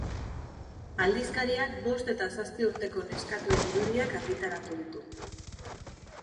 Aldizkariak bost eta zazpi urteko neskatoen irudiak argitaratu ditu.